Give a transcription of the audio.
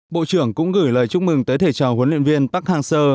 bộ trưởng cũng gửi lời chúc mừng tới thầy trò huấn luyện viên park hang seo